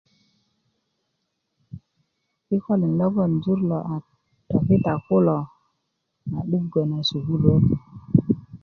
kikolin logon jur ló a tokita kuló a 'dugö na sukuluwöt